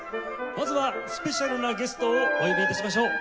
まずはスペシャルなゲストをお呼び致しましょう。